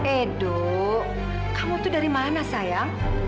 edo kamu tuh dari mana sayang